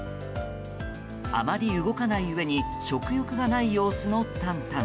あまり動かないうえに食欲がない様子のタンタン。